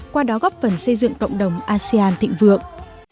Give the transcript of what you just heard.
qua đó góp phần xây dựng cộng đồng asean thịnh vượng